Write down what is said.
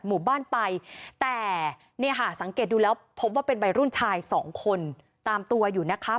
หมู่ไปป่ะเนี้ยฮะสังเกตดูแล้วพบว่าเป็นรุ่นชายสองคนตามตัวอยู่นะคะ